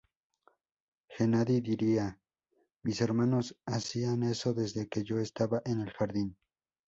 Gennady diría: "Mis hermanos hacían eso desde que yo estaba en el jardín.